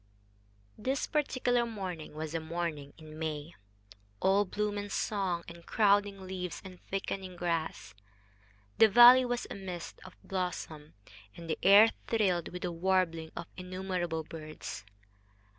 This particular morning was a morning in May all bloom and song, and crowding leaves and thickening grass. The valley was a mist of blossom, and the air thrilled with the warbling of innumerable birds.